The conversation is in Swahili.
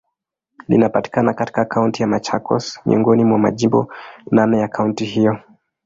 Linapatikana katika Kaunti ya Machakos, miongoni mwa majimbo naneya kaunti hiyo.